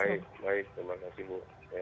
baik baik terima kasih bu